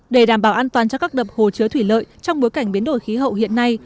để đảm bảo an toàn cho các đập hồ chứa thủy lợi trong bối cảnh biến đổi khí hậu hiện nay